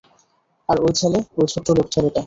আর ওই ছেলে, ওই ছোট্ট ছেলেটা।